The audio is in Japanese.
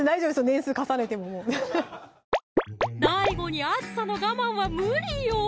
年数重ねてもＤＡＩＧＯに熱さの我慢は無理よ！